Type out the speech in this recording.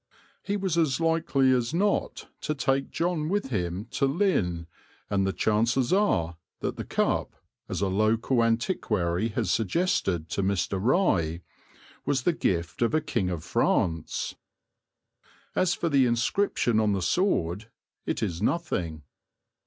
He was as likely as not to take John with him to Lynn, and the chances are that the cup, as a local antiquary has suggested to Mr. Rye, was the gift of a king of France. As for the inscription on the sword, it is nothing.